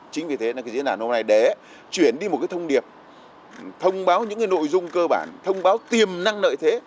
chính vì thế diễn đàn hôm nay để chuyển đi một thông điệp thông báo những nội dung cơ bản thông báo tiềm năng nợi thế